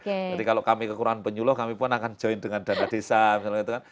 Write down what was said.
jadi kalau kami kekurangan penyuluh kami pun akan join dengan dana desa misalnya gitu kan